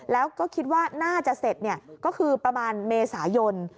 แล้วก็คิดว่าน่าจะเสร็จก็คือประมาณเมษายน